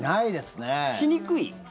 しにくい？